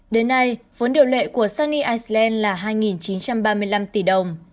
đến nay vốn điều lệ của sunny iceland là hai chín trăm ba mươi năm tỷ đồng